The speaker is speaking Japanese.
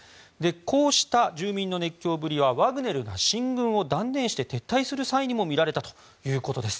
こうした住民の熱狂ぶりはワグネルが進軍を断念して撤退する際にもみられたということです。